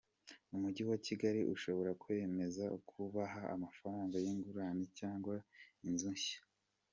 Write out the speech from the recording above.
Umujyi wa Kigali ushobora kwemeza kubaha amafaranga y’ingurane cyangwa inzu nshya.